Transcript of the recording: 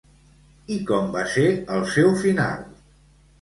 I com va ser el seu final?